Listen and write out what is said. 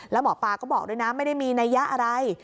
แล้วหมอปลาก็บอกด้วยนะไม่ได้มีนัยยะอะไร